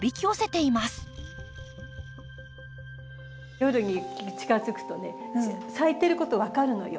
夜に近づくとね咲いてること分かるのよ。